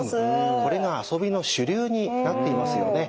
これが遊びの主流になっていますよね。